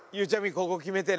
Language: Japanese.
ここ決めてね。